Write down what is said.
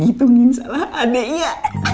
gitungin salah adeknya